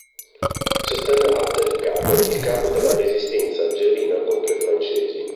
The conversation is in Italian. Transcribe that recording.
Sostenne Abd el-Kader, il capo della resistenza algerina contro i francesi.